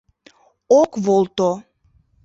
Ок волто.